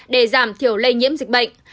để giảm thiểu lây nhiễm dịch bệnh